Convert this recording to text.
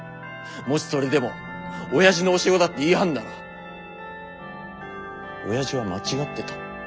もしそれでも親父の教え子だって言い張んなら親父は間違ってた。